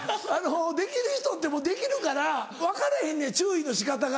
できる人ってできるから分かれへんねん注意の仕方が。